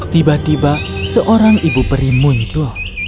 tiba tiba seorang ibu peri muncul